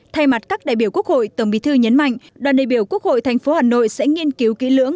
thay mặt các đại biểu quốc hội tổng bí thư nhấn mạnh đoàn đại biểu quốc hội tp hà nội sẽ nghiên cứu kỹ lưỡng